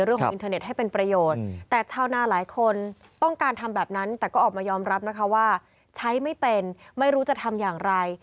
อินเทอร์เน็ตให้เป็นประโยชน์แต่ชาวนาหลายคนต้องการทำแบบนั้นแต่ก็ออกมายอมรับนะคะว่าใช้ไม่เป็นไม่รู้จะทำอย่างไร